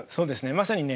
まさにね